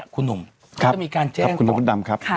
คุณหนุ่มจะมีการแจ้ง